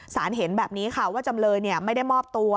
สารเห็นแบบนี้ค่ะว่าจำเลยไม่ได้มอบตัว